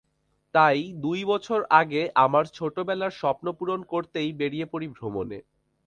তাই দুই বছর আগে আমার ছোটবেলার স্বপ্নপূরণ করতেই বেরিয়ে পড়ি ভ্রমণে।